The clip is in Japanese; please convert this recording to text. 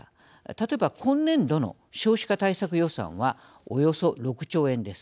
例えば今年度の少子化対策予算はおよそ６兆円です。